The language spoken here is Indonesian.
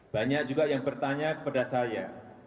banyak juga yang bertanya kepada saya